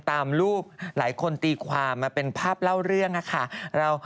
ตามรูปหลายคนตีความมาเป็นภาพเล่าเรื่องค่ะ